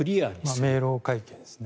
明朗会計ですね。